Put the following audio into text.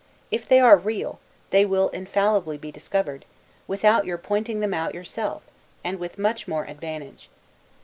If they are real, they will infallibly be discovered, without your pointing them out yourself, and with much more advantage.